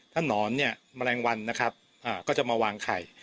ถ้านอนเนี่ยแมลงวันนะครับก็จะมาวางไข่